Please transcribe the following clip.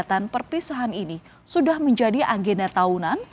dan kegiatan perpisahan ini sudah menjadi agenda tahunan